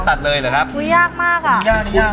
พี่ฟองอีก๑ดวงดาว